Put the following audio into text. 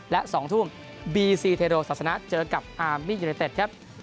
และ๒ทุ่มบีซีเทโรศาสนาเจอกับอาร์มี่ยูเนเต็ดครับ